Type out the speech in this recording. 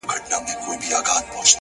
زه مي له ژونده په اووه قرآنه کرکه لرم _